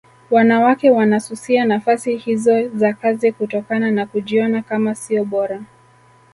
Wanawake wanasusia nafasi hizo za kazi kutokana na kujiona kama sio bora